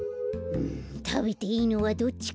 うんたべていいのはどっちかひとつ。